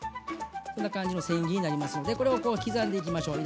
こんな感じのせん切りになりますのでこれをこう刻んでいきましょう。